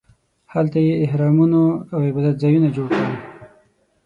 هلته یې اهرامونو او عبادت ځایونه جوړ کړل.